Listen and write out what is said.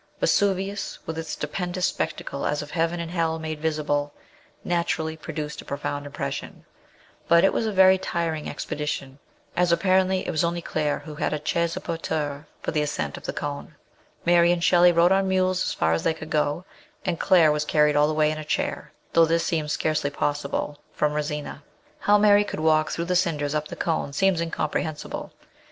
Vesuvius, with its stupendous spectacle as of heaven and hell made visible, naturally produced a profound impres sion, but it was a very tiring expedition, as apparently it was only Claire who had a chaise a porteurs for the ascent of the cone ; Mary and Shelley rode on mules as far as they could go, and Claire was carried all the way in a chair though this seems scarcely pos>ible from Resina. How Mary could walk through the cinders up the cone seems incomprehensible.